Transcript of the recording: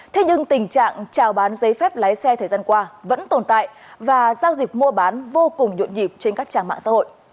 thế nhưng tình trạng trào bán giấy phép lái xe thời gian qua vẫn tồn tại và giao dịch mua bán vô cùng nhộn nhịp trên các trang mạng xã hội